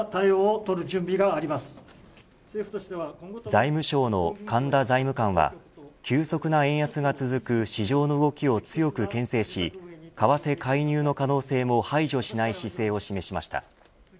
財務省の神田財務官は急速な円安が続く市場の動きを強くけん制し為替介入の可能性も排除しない姿勢を示しました。